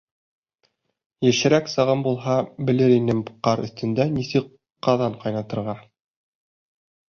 Йәшерәк сағым булһа, белер инем ҡар өҫтөндә нисек ҡаҙан ҡайнатырға.